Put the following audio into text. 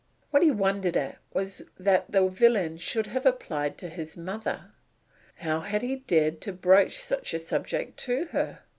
What he wondered at was that the villain should have applied to his mother. How had he dared to broach such a subject to her?